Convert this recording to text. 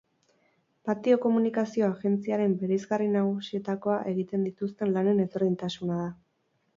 Patio komunikazio agentziaren bereizgarri nagusietakoa egiten dituzten lanen ezberdintasuna da.